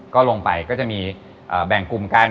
ก็ลงไปก็จะมีแบ่งกลุ่มกัน